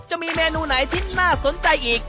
จะมีเมนูไหนที่น่าสนใจอีก